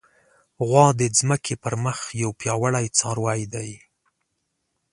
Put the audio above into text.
غوا د ځمکې پر مخ یو پیاوړی څاروی دی.